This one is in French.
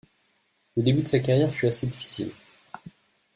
Le début de sa carrière fut assez difficile.